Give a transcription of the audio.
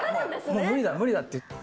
もう無理だ、無理だって言って。